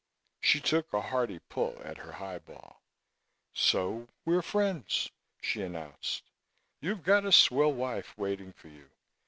She took a hearty pull at her highball. "So we're friends," she announced. "You've got a swell wife waiting for you.